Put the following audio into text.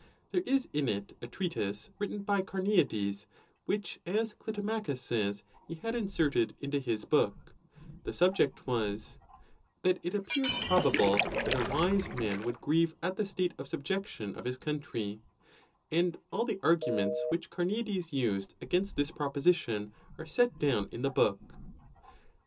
There is init a treatise written by Carneades, which, as Clitomachus says, he had inserted into his book; the subject was, " That it ap peared probable that a wise man would grieve at the state of subjection of his country," and all the arguments which Carneades used against this proposition are set down in the book.